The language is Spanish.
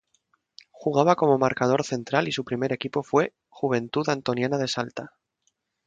Jugaba como marcador central y su primer equipo fue Juventud Antoniana de Salta.